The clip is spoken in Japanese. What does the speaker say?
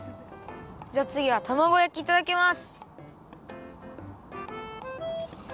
じゃあつぎはたまご焼きいただきます。